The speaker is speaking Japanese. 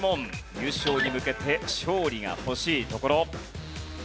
優勝に向けて勝利が欲しいところ。